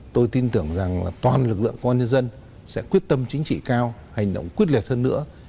tôi tin tưởng rằng toàn lực lượng công an nhân dân sẽ quyết tâm chính trị cao hành động quyết liệt hơn nữa